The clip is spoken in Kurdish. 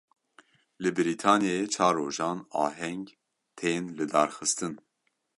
Li Brîtanyayê çar rojan aheng tên lidarxistin.